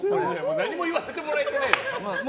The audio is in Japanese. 何も言わせてもらってないじゃん。